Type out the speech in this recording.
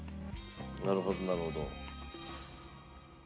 なるほどなるほど。